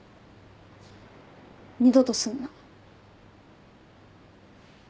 二度とすんな。